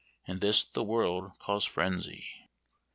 And this the world calls frenzy."